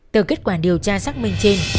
từ kết quả điều tra xác minh trên